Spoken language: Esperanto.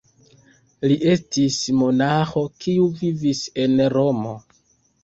Li estis monaĥo kiu vivis en Romo.